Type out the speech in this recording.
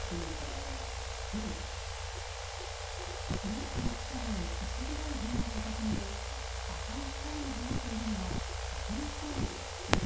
電気がつかない薄暗い部屋の片隅で赤い光を放っているのは石油ストーブです。